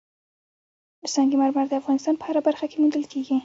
سنگ مرمر د افغانستان په هره برخه کې موندل کېږي.